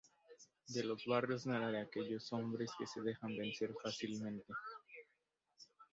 De Los Barrios no era de aquellos hombres que se dejan vencer fácilmente.